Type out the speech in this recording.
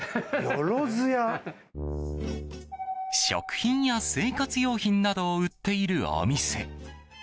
食品や生活用品などを売っているお店。